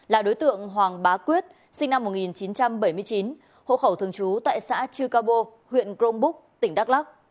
là đối tượng hoàng bá quyết sinh năm một nghìn chín trăm bảy mươi chín hộ khẩu thường trú tại xã chư ca huyện grong búc tỉnh đắk lắc